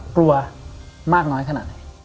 กลัวมากน้อยขนาดไหน